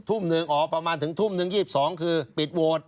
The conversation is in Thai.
ทุ่มหนึ่งอ๋อประมาณถึงทุ่มหนึ่ง๒๒คือปิดโหวต